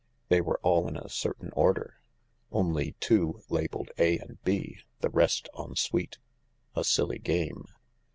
They were all in a certain order. Only two labelled A and B — the rest en suite. A silly game.